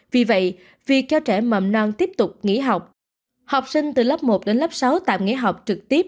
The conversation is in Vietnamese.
vì vậy việc cho trẻ mầm non tiếp tục nghỉ học học sinh từ lớp một đến lớp sáu tạm nghỉ học trực tiếp